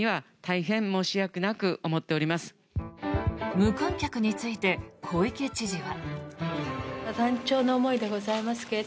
無観客について小池知事は。